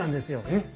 えっ？